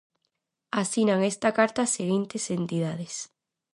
Asinan esta carta as seguintes entidades: